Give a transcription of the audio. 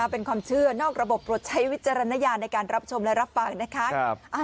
เป็นความเชื่อเชื่อนอกระบบประวัติใช้วิจารณญาในการรับชมและรับฟัง